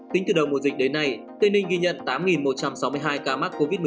tính từ đầu mùa dịch đến nay tây ninh ghi nhận tám một trăm sáu mươi hai ca mắc covid một mươi chín